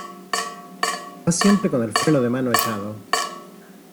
vas siempre con el freno de mano echado